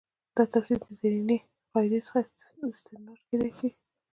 دا تفسیر د زرینې قاعدې څخه استنتاج کېدای شي.